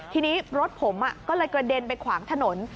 ทีนี้รถผมก็เลยกระเด็นไปขวางถนน